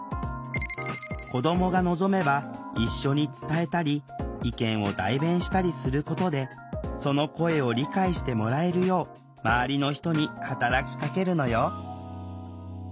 子どもが望めば一緒に伝えたり意見を代弁したりすることでその声を理解してもらえるよう周りの人に働きかけるのよ